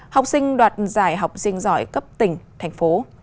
học sinh đoạt giải học sinh giỏi cấp tỉnh thành phố